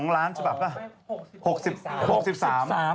๒ล้านฉบับป่ะ